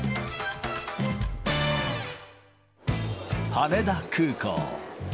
羽田空港。